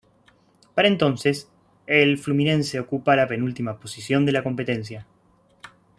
Para entonces, el Fluminense ocupa la penúltima posición de la competencia.